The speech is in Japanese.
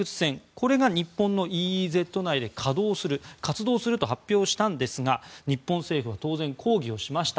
これが日本のＥＥＺ内で稼働する、活動すると発表したんですが日本政府は当然、抗議をしました。